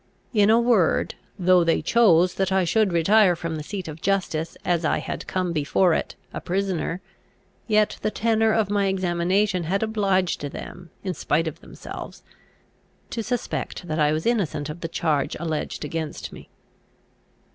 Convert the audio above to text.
In a word, though they chose that I should retire from the seat of justice, as I had come before it, a prisoner, yet the tenor of my examination had obliged them, in spite of themselves, to suspect that I was innocent of the charge alleged against me.